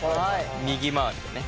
右回りでね。